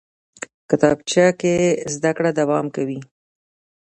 کتابچه کې زده کړه دوام کوي